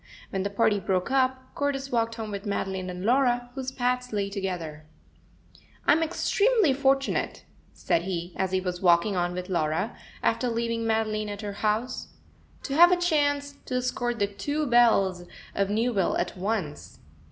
When the party broke up, Cordis walked home with Madeline and Laura, whose paths lay together. "I'm extremely fortunate," said he, as he was walking on with Laura, after leaving Madeline at her house, "to have a chance to escort the two belles of Newville at once."